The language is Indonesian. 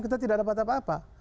kita tidak dapat apa apa